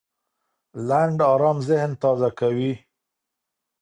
لنډ ارام ذهن تازه کوي.